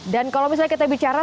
dan kalau misalnya kita bicara